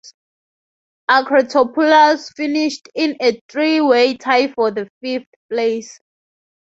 Akratopoulos finished in a three-way tie for fifth place.